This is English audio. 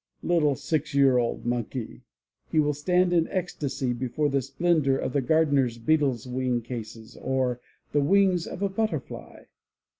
Little six year old monkey! He will stand in ecstasy before the splendor of the gardener beetle's wing cases, or the wings of a butterfly.